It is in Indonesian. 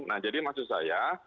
nah jadi maksud saya